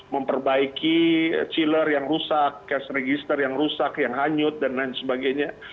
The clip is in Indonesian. memperbaiki chiller yang rusak cash register yang rusak yang hanyut dan lain sebagainya